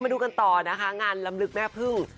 ดูกันต่อนะคะงานลำลึกแม่พึ่ง